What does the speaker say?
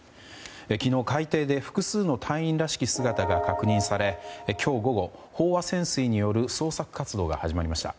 昨日、海底で複数の隊員らしき姿が確認され今日午後、飽和潜水による捜索活動が始まりました。